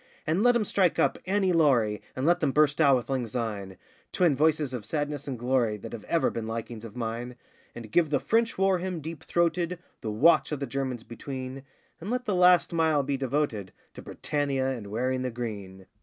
And let 'em strike up 'Annie Laurie,' And let them burst out with 'Lang Syne' Twin voices of sadness and glory, That have ever been likings of mine. And give the French war hymn deep throated The Watch of the Germans between, And let the last mile be devoted To 'Britannia' and 'Wearing the Green.